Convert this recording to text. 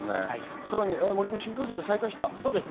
さらに新幹線、再開した？